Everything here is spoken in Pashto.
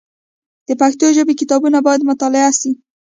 د پښتو ژبي کتابونه باید مطالعه سي.